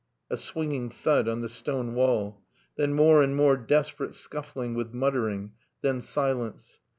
A swinging thud on the stone wall. Then more and more desperate scuffling with muttering. Then silence.